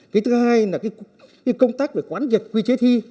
cái thứ hai là công tác về quán triệt quy chế thi